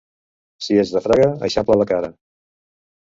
Si ets de Fraga, eixampla la cara.